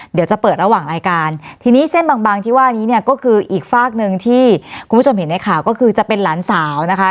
เดี๋ยวจะเปิดระหว่างรายการทีนี้เส้นบางที่ว่านี้เนี่ยก็คืออีกฝากหนึ่งที่คุณผู้ชมเห็นในข่าวก็คือจะเป็นหลานสาวนะคะ